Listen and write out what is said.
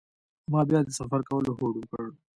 ما بیا د سفر کولو هوډ وکړ.